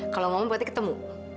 kalau ngomong berarti ketemu